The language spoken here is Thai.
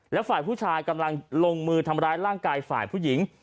และฝ่ายผู้ชายกำลังลงมือทำร้ายร่างกายฝ่ายผู้หญิง